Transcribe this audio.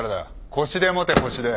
腰で持て腰で。